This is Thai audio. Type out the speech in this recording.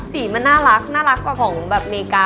สีมันน่ารักน่ารักกว่าของแบบเมกา